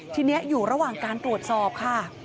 ทีนี้อยู่ระหว่างการตรวจสอบค่ะ